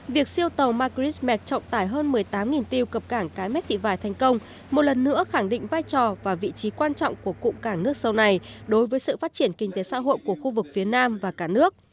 việc siêu tàu macris met trọng tải hơn một mươi tám tiêu cập cảng cái mép thị vải thành công một lần nữa khẳng định vai trò và vị trí quan trọng của cụm cảng nước sâu này đối với sự phát triển kinh tế xã hội của khu vực phía nam và cả nước